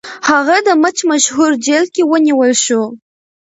هغه د مچ مشهور جیل کې ونیول شو.